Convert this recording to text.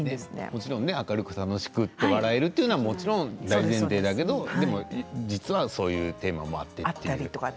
もちろん明るく楽しく笑えるというのは大前提だけれどももちろん実はそういうテーマもあったりとか。